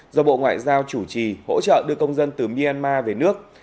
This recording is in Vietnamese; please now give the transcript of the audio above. do bộ ngoại giao chủ trì hỗ trợ đưa công dân từ myanmar về nước